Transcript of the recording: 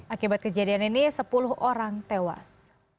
akibat kejadian ini sepuluh orang tewas